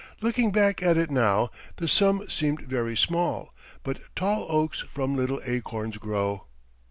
Looking back at it now the sum seemed very small, but "tall oaks from little acorns grow."